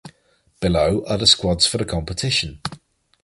Below are the squads for the competition.